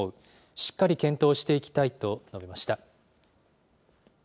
しっかり検討していきたいと述べました。